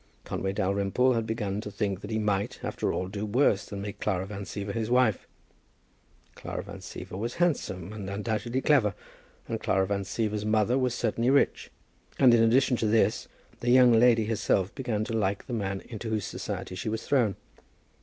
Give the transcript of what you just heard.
Conway Dalrymple had begun to think that he might, after all, do worse than make Clara Van Siever his wife. Clara Van Siever was handsome, and undoubtedly clever, and Clara Van Siever's mother was certainly rich. And, in addition to this, the young lady herself began to like the man into whose society she was thrown.